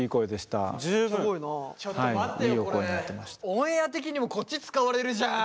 オンエア的にもこっち使われるじゃん！